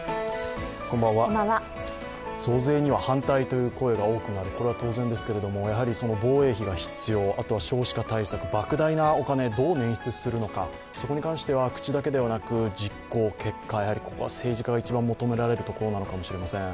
増税には反対という声が多くある、これは当然ですけど、やはり防衛費が必要、あとは少子化対策、ばく大なお金、どう捻出するのか、そこに関しては口だけではなく実行、結果、やはりここは政治家が一番求められることなのかもしれません。